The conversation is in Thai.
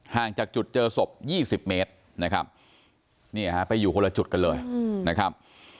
ห่างจากจุดเจอศพ๒๐เมตรนะครับเนี่ยฮะไปอยู่คนละจุดกันเลยนะครับ